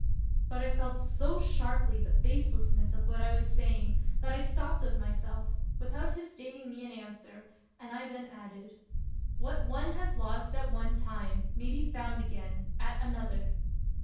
But I felt so sharply the baselessness of what I was saying that I stopped of myself, without his deigning me an answer, and I then added :" What one has lost at one time may be found again at another!